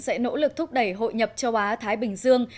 sẽ nỗ lực thúc đẩy hội nhập châu á thái bình dương